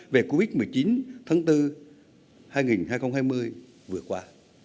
về covid một mươi chín tháng bốn hai nghìn hai mươi vừa qua